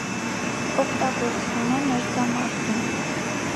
Օգտագործվում է մերձամարտում։